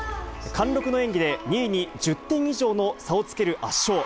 貫禄の演技で２位に１０点以上の差をつける圧勝。